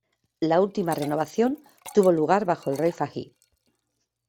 La última renovación tuvo lugar bajo el rey Fahd.